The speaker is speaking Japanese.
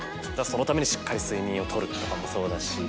そのためにしっかり睡眠を取るとかもそうだし。